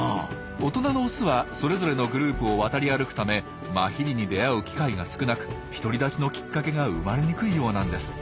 大人のオスはそれぞれのグループを渡り歩くためマヒリに出会う機会が少なく独り立ちのきっかけが生まれにくいようなんです。